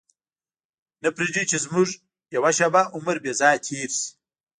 نه پرېږدي چې زموږ یوه شېبه عمر بې ځایه تېر شي.